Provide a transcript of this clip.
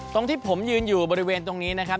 ตรงที่ผมยืนอยู่บริเวณตรงนี้นะครับ